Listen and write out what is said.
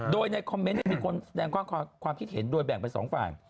โดยในคอมเมนต์มีคนแสดงความคิดเห็นโดยแบ่งเป็นสองฝ่าย